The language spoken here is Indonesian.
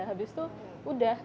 habis itu udah